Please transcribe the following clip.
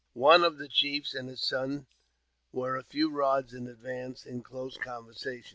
One of the chiefs and his son were a few rods in advance, in close conversation.